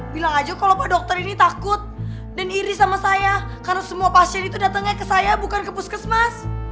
bilang aja kalau pak dokter ini takut dan iri sama saya karena semua pasien itu datangnya ke saya bukan ke puskesmas